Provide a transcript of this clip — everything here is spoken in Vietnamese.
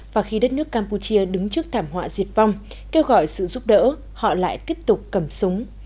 và khi đất nước campuchia đứng trước thảm họa diệt vong kêu gọi sự giúp đỡ họ lại tiếp tục cầm súng